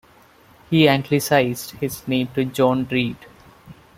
He Anglicized his name to John Reed.